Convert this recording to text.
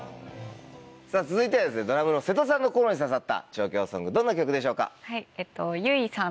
さぁ続いてはですねドラムのせとさんの心に刺さった上京ソングどんな曲でしょうか？